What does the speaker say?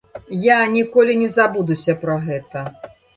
Я ніколі не забудуся пра гэта.